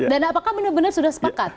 dan apakah benar benar sudah sepakat